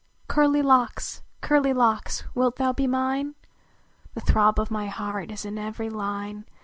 Curly Locks ! Curly Locks ! wilt thou be mine? The throb of my heart is in every line.